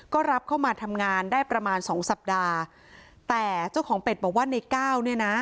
ก็รับเข้ามาทำงานได้ประมาณสองสัปดาห์แต่เจ้าของเป็ดบอกว่าในก้าวเนี่ยนะ